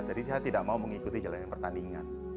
jadi saya tidak mau mengikuti jalan yang pertandingan